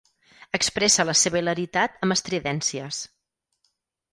Expressa la seva hilaritat amb estridències.